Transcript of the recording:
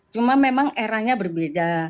cuma memang eranya berbeda